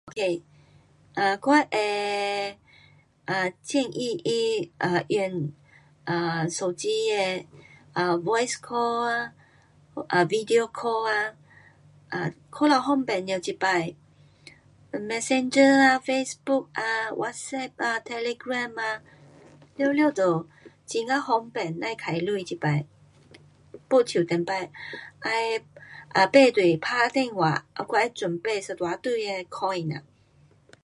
[um]我会[um]建议他啊用[um]手机的voicecall啊，videocall啊，[um]过头方便了这次，messenger啊,facebook啊,whatsapp啊，telegram啊,全部都很呀方便，甭花钱这次。不像以前要排队打电话啊还要准备一大堆的coin呐。